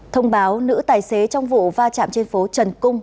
thông báo nữ tài xế trong vụ va chạm trên phố trần cung